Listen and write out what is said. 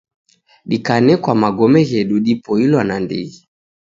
Dikanekwa magome ghedu dipoilwa nandighi